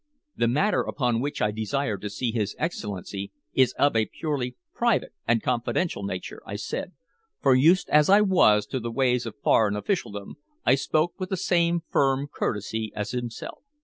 "The matter upon which I desire to see his Excellency is of a purely private and confidential nature," I said, for used as I was to the ways of foreign officialdom, I spoke with the same firm courtesy as himself.